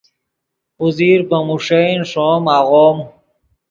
اوزیر پے موݰین ݰوم آغوم